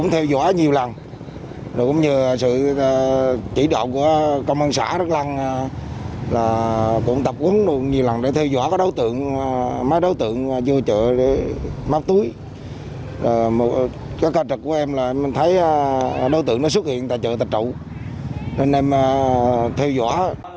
mấy đối tượng vô chợ để móc túi các cao trực của em là mình thấy đối tượng nó xuất hiện tại chợ thạch trụ nên em theo dõi